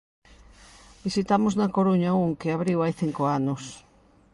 Visitamos na Coruña un que abriu hai cinco anos.